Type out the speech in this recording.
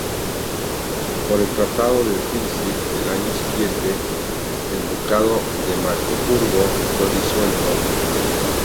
Por el Tratado de Tilsit del año siguiente, el ducado de Magdeburgo fue disuelto.